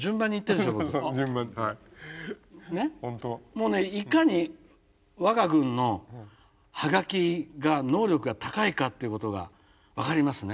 もうねいかに我が軍のハガキが能力が高いかってことが分かりますね。